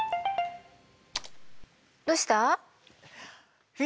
どうした？